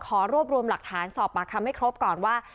ขอรวบรวมหลักฐานสอบปากคำให้ครบก่อนว่า